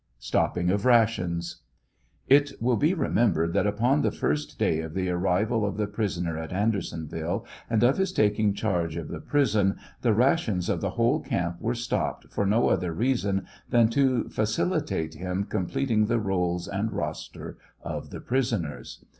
STOPPI.VG OF RATIONS. It will be remembered that upon the first day of the arrival of the prisoner at Andersonville and of his taking charge of the prison, the rations of the whole camp were stopped for no other reason than to facilitate him completing the rolls and roster of the prisoners.